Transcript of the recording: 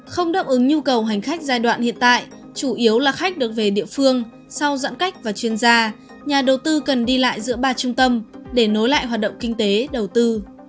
không đáp ứng nhu cầu hành khách giai đoạn hiện tại chủ yếu là khách được về địa phương sau giãn cách và chuyên gia nhà đầu tư cần đi lại giữa ba trung tâm để nối lại hoạt động kinh tế đầu tư